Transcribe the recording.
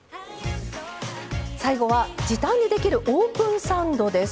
最後は時短でできるオープンサンドです。